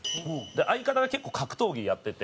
相方が結構格闘技やってて。